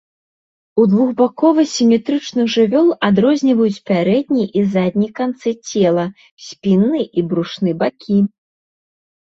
У двухбакова-сіметрычных жывёл адрозніваюць пярэдні і задні канцы цела, спінны і брушны бакі.